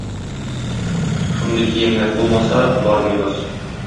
Шундый киемнәр булмаса, бармыйбыз.